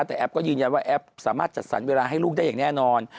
แต่แอปก็ยืนยันว่าแอปสามารถจัดสรรเวลาให้ลูกได้อย่างแน่นอน